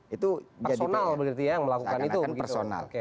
itu jadi personal